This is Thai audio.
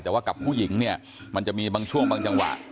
แต่ว่ากับผู้หญิงเนี่ยมันจะมีบางช่วงบางจังหวะ